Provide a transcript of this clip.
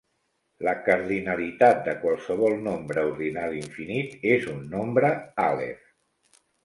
La cardinalitat de qualsevol nombre ordinal infinit és un nombre àlef.